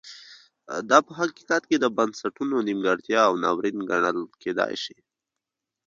دا په حقیقت کې د بنسټونو نیمګړتیا او ناورین ګڼل کېدای شي.